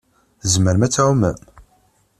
Tzemrem ad tɛumem?